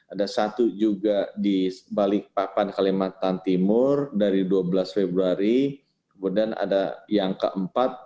ada satu juga di balikpapan kalimantan timur dari dua belas februari kemudian ada yang keempat